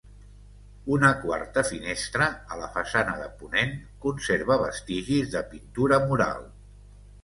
Una quarta finestra, a la façana de ponent, conserva vestigis de pintura mural.